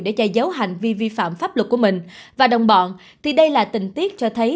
để che giấu hành vi vi phạm pháp luật của mình và đồng bọn thì đây là tình tiết cho thấy